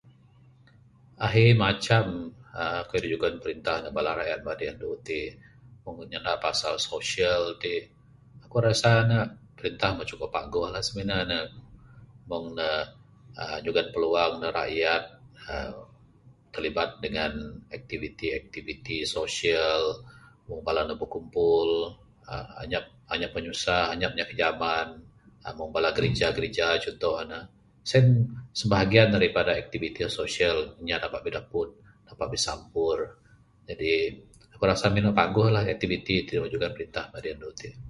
Ahi macam uhh kayuh da jugon pirintah nug bala rakyat madi anu ti. Nyana pasal sosial ti aku rasa nuh perintah muh cukup paguh lah ngin nuh mung nuh uhh nyugon peluang nug rakyat uhh terlibat dengan aktiviti-aktiviti sosial mung bala nuh berkumpul uhh anyap pinyusah anyap inya kijaman. Mung bala gerija-gerija cunto nuh sien sebahagian daripada media sosial lama adup bidapud bisampur jadi ku rasa mene paguh lah kayuh ti da jugon perintah madi anu ti.